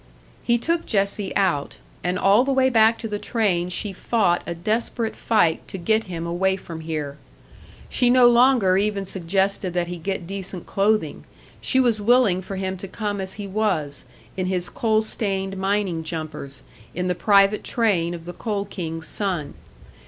He took Jessie out, and all the way hack to the train she fought a desperate fight to get him away from here. She no longer even suggested that he get decent clothing; she was willing for him to come as he was, in his coal stained mining jumpers, in the private train of the Coal King's son.